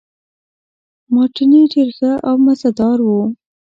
مارټیني ډېر ښه او مزه دار وو.